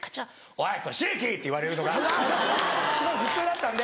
「おい利之！」って言われるのがすごい普通だったんで。